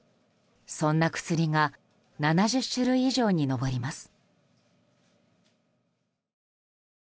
そんな薬が７０種類以上に上ります。